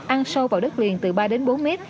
ăn sâu vào đất liền từ ba bốn m